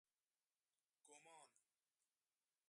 گمان